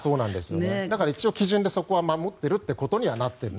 だから一応基準でそこは守っていることになっている。